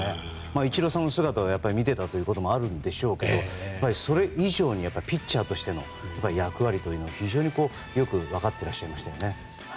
イチローさんを見ていたこともあるんでしょうけどもそれ以上にピッチャーとしての役割というのが非常によく分かってらっしゃいましたよね。